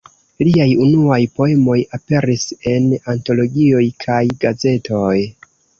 Liaj unuaj poemoj aperis en antologioj kaj gazetoj.